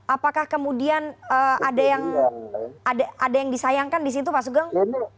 apakah kemudian ada yang disayangkan di situ pak sugeng